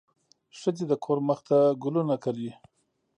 ښځې د کور مخ ته ګلونه کري.